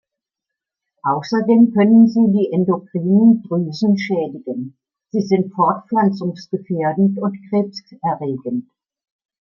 Außerdem können sie die endokrinen Drüsen schädigen, sind fortpflanzungsgefährdend und Krebs erregend.